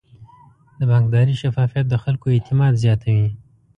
د بانکداري شفافیت د خلکو اعتماد زیاتوي.